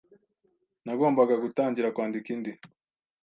nagombaga gutangira kwandika indi.